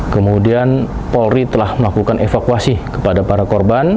kemudian polri telah melakukan evakuasi kepada para korban